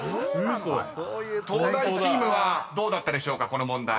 ［東大チームはどうだったでしょうかこの問題］